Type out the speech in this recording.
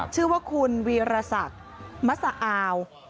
ชื่อว่าคุณวีรศักดิ์มัสอาว